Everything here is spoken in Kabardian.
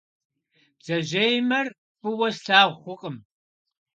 Бдзэжьеимэр фӏыуэ слъагъу хъукъым.